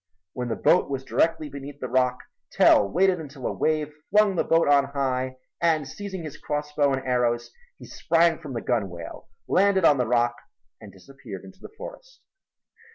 When the boat was directly beneath the rock Tell waited until a wave flung the boat on high and seizing his crossbow and arrows he sprang from the gunwale, landed on the rock and disappeared into the forest.